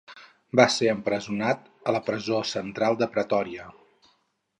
Va ser empresonat a la Presó Central de Pretòria.